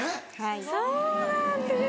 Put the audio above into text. そうなんです。